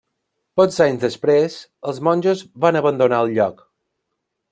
Pocs anys després, els monjos van abandonar el lloc.